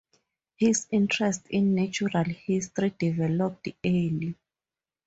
His interest in natural history developed early.